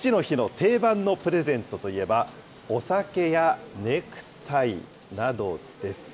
父の日の定番のプレゼントといえば、お酒やネクタイなどです。